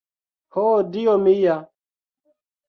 Ho dio mia!